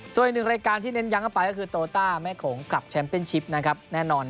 ส่วนอีกหนึ่งรายการที่เน้นย้ำกันไปก็คือโตต้าแม่โขงกลับแชมป์เป็นชิปนะครับแน่นอน